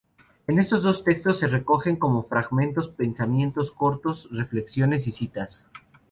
En estos dos textos se recogen, como fragmentos, pensamientos cortos, reflexiones y citas.